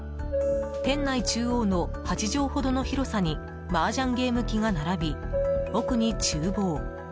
店内中央の８畳ほどの広さに麻雀ゲーム機が並び、奥に厨房。